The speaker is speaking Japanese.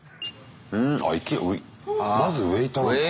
まずウエイトなんだ。